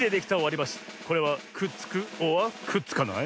これはくっつくｏｒくっつかない？